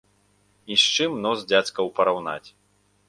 І з чым нос дзядзькаў параўнаць.